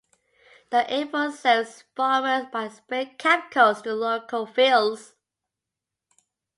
The airport serves farmers by spraying chemicals to local fields.